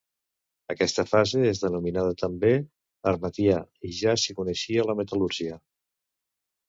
Aquesta fase és denominada també amratià i ja s'hi coneixia la metal·lúrgia.